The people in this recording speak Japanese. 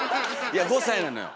いや５歳なのよ。